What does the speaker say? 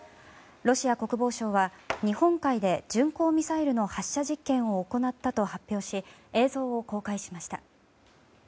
ロシア国防省は日本海で巡航ミサイルの発射実験を行ったと発表し映像を公開しました。